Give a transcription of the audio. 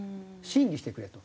審議してくれと。